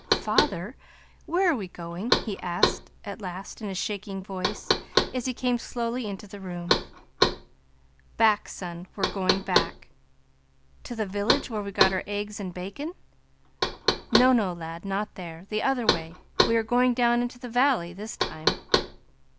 "Father, where are we going?" he asked at last in a shaking voice, as he came slowly into the room. "Back, son; we're going back." "To the village, where we get our eggs and bacon?" "No, no, lad, not there. The other way. We go down into the valley this time."